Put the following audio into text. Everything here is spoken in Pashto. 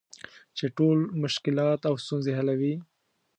چې ټول مشکلات او ستونزې حلوي .